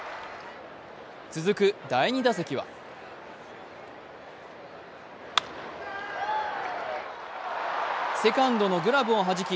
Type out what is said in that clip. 続く第２打席はセカンドのグラブをはじき